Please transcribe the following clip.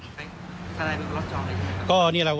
เปิดจองแล้วครับ